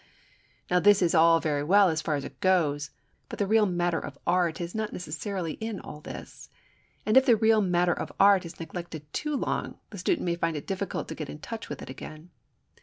Now this is all very well as far as it goes, but the real matter of art is not necessarily in all this. And if the real matter of art is neglected too long the student may find it difficult to get in touch with it again.